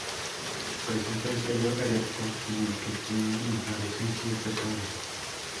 Presenta un tallo erecto en el que tiene inflorescencias de flores.